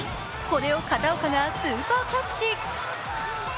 これを片岡がスーパーキャッチ。